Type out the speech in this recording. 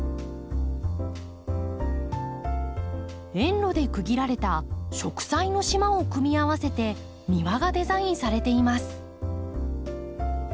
園路で区切られた植栽の島を組み合わせて庭がデザインされています。